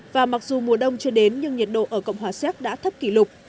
và mặc dù mùa đông chưa đến nhưng nhiệt độ ở cộng hòa xéc đã thấp kỷ lục